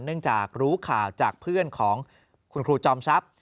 เนื่องจากรู้ข่าวจากเพื่อนของคุณครูจอมทรัพย์